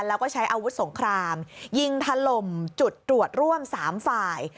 แล้วก็ใช้อาวุธสงครามยิงถล่มจุดตรวจร่วม๓ฝ่าย